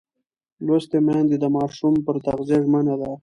لوستې میندې د ماشوم پر تغذیه ژمنه ده.